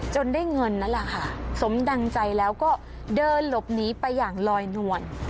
ได้เงินนั่นแหละค่ะสมดังใจแล้วก็เดินหลบหนีไปอย่างลอยนวล